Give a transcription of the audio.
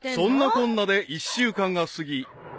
［そんなこんなで１週間が過ぎ